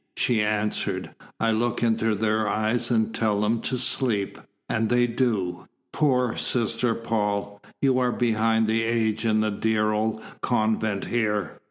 she answered. "I look into their eyes and tell them to sleep and they do. Poor Sister Paul! You are behind the age in the dear old convent here.